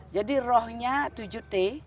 jadi rohnya tujuh t